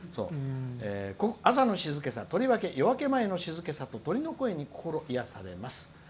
「朝の静けさ、とりわけ夜明け前の静けさと鳥の声に癒やされます。